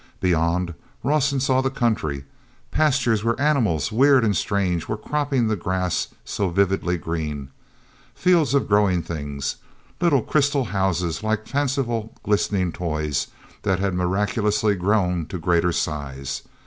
Beyond, Rawson saw the country, pastures where animals, weird and strange, were cropping the grass so vividly green; fields of growing things; little crystal houses like fanciful, glistening toys that had miraculously grown to greater size.